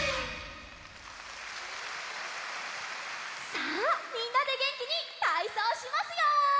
さあみんなでげんきにたいそうしますよ！